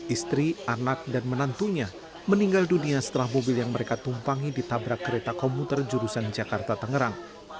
istri anak dan menantunya meninggal dunia setelah mobil yang mereka tumpangi ditabrak kereta komuter jurusan jakarta tangerang